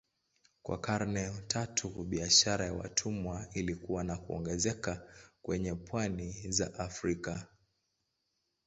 Kwa karne tatu biashara ya watumwa ilikua na kuongezeka kwenye pwani za Afrika.